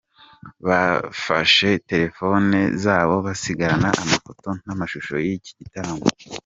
Bafashe terefone zabo basigarana amafoto n'amashusho y'iki gitaramo.